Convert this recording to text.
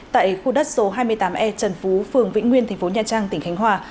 tại khu đất số hai mươi tám e trần phú phường vĩnh nguyên thành phố nha trang tỉnh khánh hòa